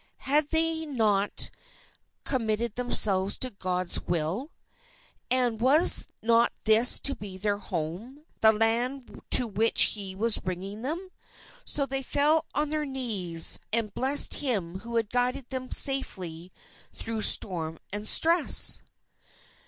Had they not committed themselves to God's will? And was not this to be their home, the land to which He was bringing them? So they fell on their knees, and blessed Him who had guided them safely through storm and stress.